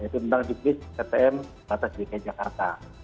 yaitu tentang juknis ptm batas dki jakarta